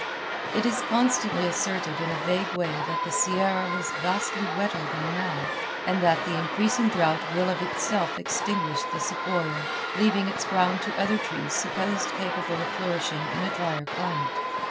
It is constantly asserted in a vague way that the Sierra was vastly wetter than now, and that the increasing drought will of itself extinguish the sequoia, leaving its ground to other trees supposed capable of flourishing in a drier climate.